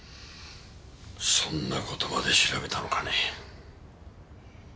そんな事まで調べたのかね。